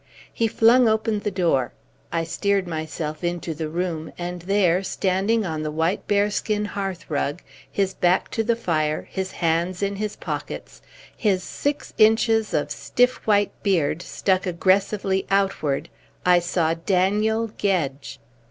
He flung open the door. I steered myself into the room; and there, standing on the white bearskin hearthrug, his back to the fire, his hands in his pockets, his six inches of stiff white beard stuck aggressively outward, I saw Daniel Gedge.